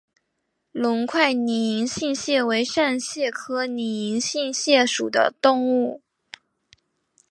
隆块拟银杏蟹为扇蟹科拟银杏蟹属的动物。